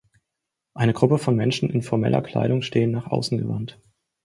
Eine Gruppe von Menschen in formeller Kleidung stehen nach außen gewandt.